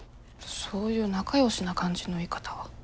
そういう仲よしな感じの言い方は。